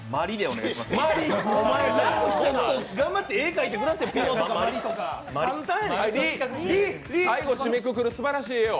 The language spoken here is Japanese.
もっと頑張って絵描いてくださいよ。